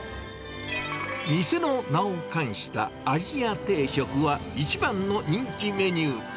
店の名を冠した鯵家定食は、一番の人気メニュー。